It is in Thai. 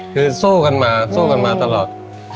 คือสู้กันมาสู้กันมาตลอด